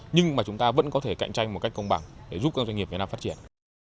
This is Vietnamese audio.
nhưng mà chúng ta vẫn có thể cạnh tranh một cách công bằng để giúp các doanh nghiệp việt nam phát triển